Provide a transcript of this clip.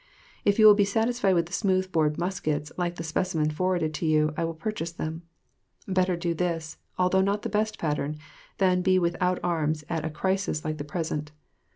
If you will be satisfied with the smooth bored muskets like the specimen forwarded to you, I will purchase them. Better do this, although not the best pattern, than be without arms at a crisis like the present.